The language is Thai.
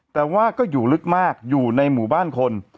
แต่ว่าก็อยู่ลึกมากอยู่ในหมู่บ้านคน